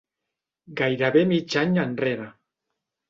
Gairebé mig any enrere.